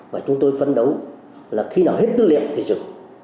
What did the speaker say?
và chúng tôi phấn đấu là khi nào hết tư liệu thì được